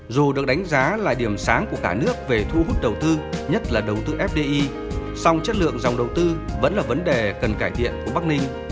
dù được đánh giá là điểm sáng của cả nước về thu hút đầu tư nhất là đầu tư fdi song chất lượng dòng đầu tư vẫn là vấn đề cần cải thiện của bắc ninh